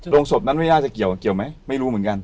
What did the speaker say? โรงศพนั้นไม่น่าจะเกี่ยวไหมไม่รู้เหมือนกัน